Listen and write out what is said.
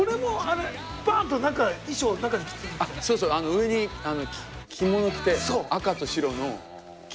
上に着物着て赤と白の着流し。